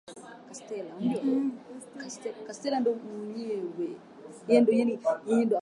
ii nyingi hazili matunda na mboga mboga kwa hivyo huyo mtu hawezi kuna na